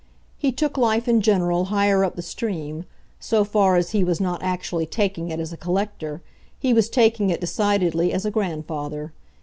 He took life in general higher up the stream; so far as he was not actually taking it as a collector, he was taking it, decidedly, as a grandfather.